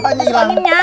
mas kamu masuk anginnya